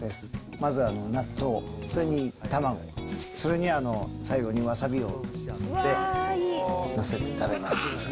まず納豆、それに卵、それに最後にわさびをすって載せて食べます。